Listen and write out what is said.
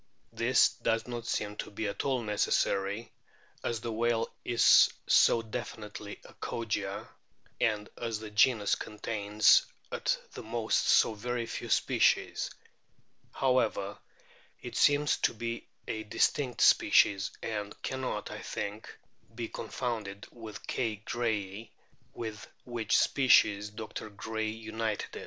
This does not seem to be at all necessary, as the whale is so definitely a Kogia, and as the genus contains at the most so very few species. However, it seems to be a distinct species, and cannot, I think, be confounded with K. grayi, with which species Dr. Gray united it. * Proc.